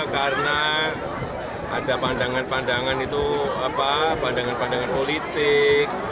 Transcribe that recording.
karena ada pandangan pandangan itu pandangan pandangan politik